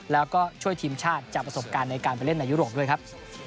แล้วก็ช่วยทีมชาติจากประสบการณ์ในการไปเล่นในยุโรปด้วยครับ